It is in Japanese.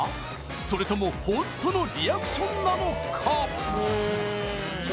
それともホントのリアクションなのか？